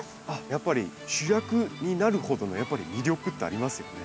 やっぱり主役になるほどのやっぱり魅力ってありますよね。